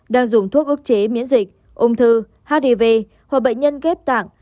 đang dùng thuốc ước chế miễn dịch ung thư hdv hoặc bệnh nhân ghép tạng